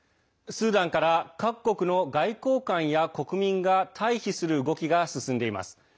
スーダンから各国の外交官や国民が退避する動きが進んでいます。